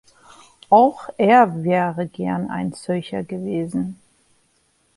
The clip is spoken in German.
Auch er wäre gern ein solcher gewesen.